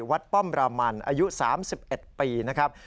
ป้อมรามันอายุ๓๑ปีนะครับ